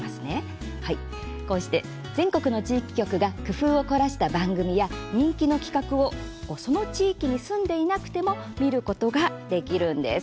こうして全国の地域局が工夫を凝らした番組や人気の企画をその地域に住んでいなくても見ることができるんです。